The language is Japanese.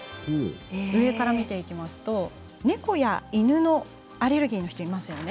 上から見ていきますと、猫や犬のアレルギーの人がいますね。